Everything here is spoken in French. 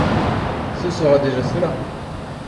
Ce sera déjà cela!